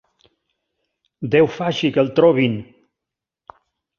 Déu faci que el trobin!